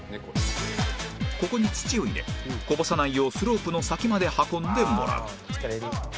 ここに土を入れこぼさないようスロープの先まで運んでもらう